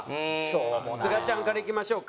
すがちゃんからいきましょうか。